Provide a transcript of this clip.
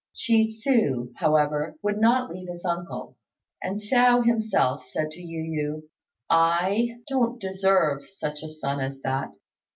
Chi tsu, however, would not leave his uncle; and Hsiao himself said to Yu yü, "I don't deserve such a son as that.